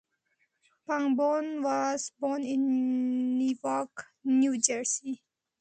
Pangborn was born in Newark, New Jersey.